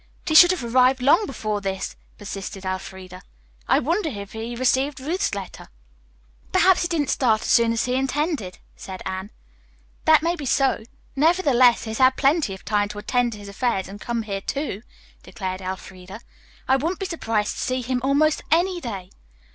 "But he should have arrived long before this," persisted Elfreda. "I wonder if he received Ruth's letter." "Perhaps he didn't start as soon as he intended," said Anne. "That may be so. Nevertheless, he has had plenty of time to attend to his affairs and come here, too," declared Elfreda. "I wouldn't be surprised to see him almost any day."